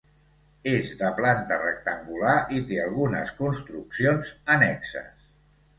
És de planta rectangular i té algunes construccions annexes.